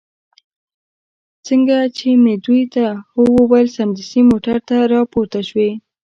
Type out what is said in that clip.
څنګه چې مې دوی ته هو وویل، سمدستي موټر ته را پورته شوې.